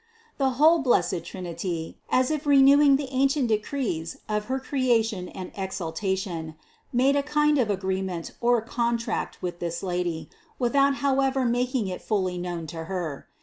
228 236), the whole blessed Trinity, as if renewing the ancient decrees of her creation and exaltation, made a kind of agreement or contract with 222 CITY OF GOD this Lady, without however making it fully known to Her.